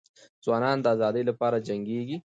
ځوانان د ازادۍ لپاره جنګیږي.